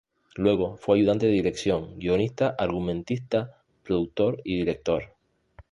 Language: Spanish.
Luego fue ayudante de dirección, guionista, argumentista, productor y director.